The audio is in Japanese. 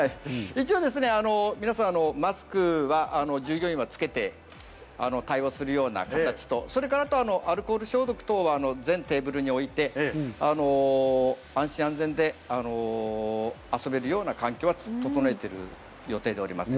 一応、皆さんマスクは、従業員はつけて対応するような形、あとはアルコール消毒等は全テーブルに置いて、安心・安全で遊べるような環境は整えている予定です。